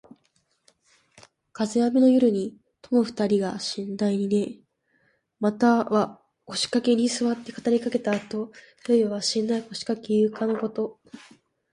風雨の夜に友二人が寝台に寝、またはこしかけにすわって語りあかすこと。「牀」は寝台・こしかけ・ゆかのこと。